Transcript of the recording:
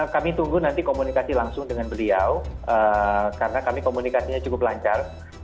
kami tunggu nanti komunikasi langsung dengan beliau karena kami komunikasinya cukup lancar